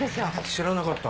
知らなかった。